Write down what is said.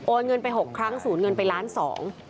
เงินไปหกครั้งสูญเงินไปล้านสอง